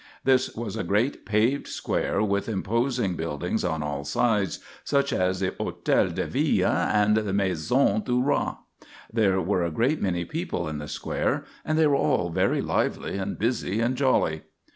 This was a great paved square with imposing buildings on all sides such as the Hôtel de Ville and the Maison du Roi. There were a great many people in the square and they were all very lively and busy and jolly.